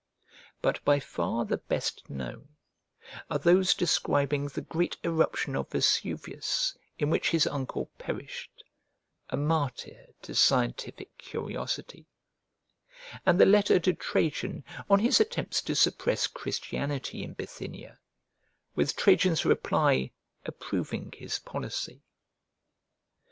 But by far the best known are those describing the great eruption of Vesuvius in which his uncle perished, a martyr to scientific curiosity, and the letter to Trajan on his attempts to suppress Christianity in Bithynia, with Trajan's reply approving his policy.